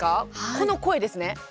この声ですね。